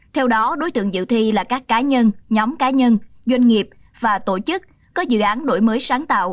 theo đó đối tượng dự thi là các cá nhân nhóm cá nhân doanh nghiệp và tổ chức có dự án đổi mới sáng tạo